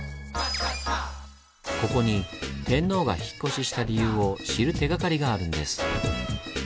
ここに天皇が引っ越しした理由を知る手がかりがあるんです。